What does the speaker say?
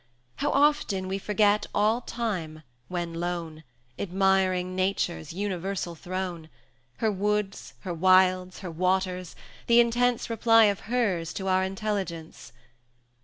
How often we forget all time, when lone, Admiring Nature's universal throne, Her woods her wilds her waters the intense Reply of hers to our intelligence!